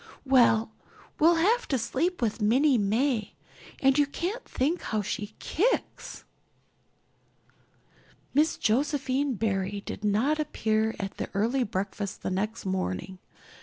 Well, we'll have to sleep with Minnie May and you can't think how she kicks." Miss Josephine Barry did not appear at the early breakfast the next morning.